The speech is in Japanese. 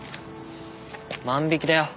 万引きだよ。